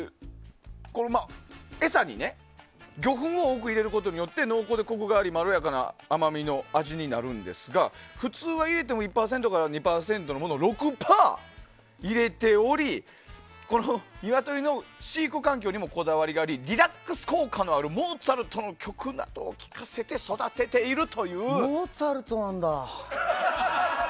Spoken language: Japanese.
餌に魚粉を多く入れることによって濃厚でコクがありまろやかな甘みの味になるんですが普通は入れても１％から２％のものを６％入れておりニワトリの飼育環境にもこだわりがありリラックス効果のあるモーツァルトの曲などを聴かせてモーツァルトなんだ。